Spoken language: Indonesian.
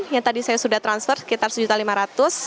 yang tadi saya sudah transfer sekitar rp satu lima ratus